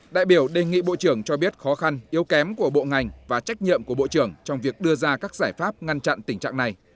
đại biểu đề nghị bộ trưởng cho biết khó khăn yếu kém của bộ ngành và trách nhiệm của bộ trưởng trong việc đưa ra các giải pháp ngăn chặn tình trạng này